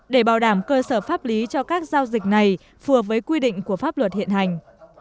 để bảo đảm cơ sở pháp lý cho các giao dịch này phù hợp với quy định của pháp luật hiện hành